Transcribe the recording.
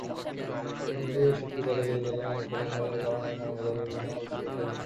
বিভিন্ন প্রতিদ্বন্দ্বী শক্তির দ্বারা জেরুসালেমের দখলের দীর্ঘ ইতিহাসের কারণে এখানে বসবাসরত বিভিন্ন গোষ্ঠীর উদ্ভব ঘটেছে।